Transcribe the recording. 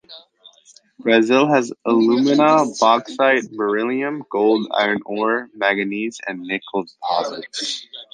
Brazil has alumina, bauxite, beryllium, gold, iron ore, manganese, and nickel deposits.